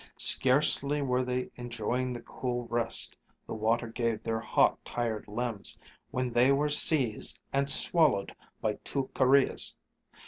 Scarcely were they enjoying the cool rest the water gave their hot, tired limbs, when they were seized and swallowed by two kurreahs.